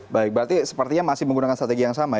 baik berarti sepertinya masih menggunakan strategi yang sama ya